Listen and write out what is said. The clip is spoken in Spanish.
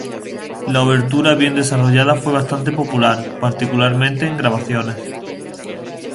La obertura bien desarrollada fue bastante popular, particularmente en grabaciones.